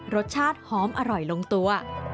รสชาติหอมอร่อยลงตัว